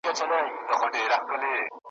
چي د شېخ د سر جنډۍ مي نڅوله ,